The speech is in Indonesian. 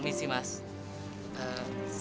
kalian maha automata il extrem